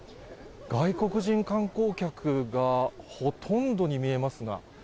外国人観光客がほとんどに見えますが。